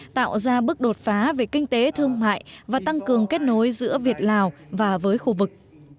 tạo ra bước đột phá về kinh tế thương mại và tăng cường kết nối giữa việt lào và với khu vực